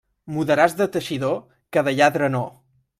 Mudaràs de teixidor, que de lladre no.